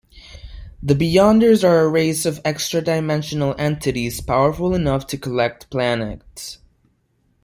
The Beyonders are a race of extra-dimensional entities powerful enough to collect planets.